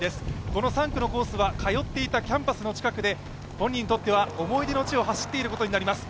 この３区のコースは通っていたキャンパスの近くで、本人にとっては思い出の地を走っていることになります。